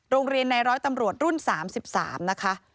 โรงเรียนในร้อยตำรวจรุ่น๓๓นะคะ